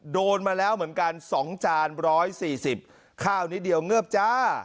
โดนมาแล้วเหมือนกันสองจานร้อยสี่สิบข้าวนิดเดียวเงือบจ้า